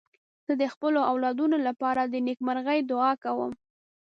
زه د خپلو اولادونو لپاره د نېکمرغۍ دعا کوم.